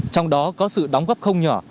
trong đó có sự đóng góp không nhỏ